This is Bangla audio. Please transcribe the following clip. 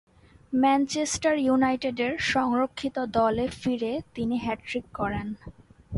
ম্যানচেস্টার ইউনাইটেডের সংরক্ষিত দলে ফিরে তিনি হ্যাট্রিক করেন।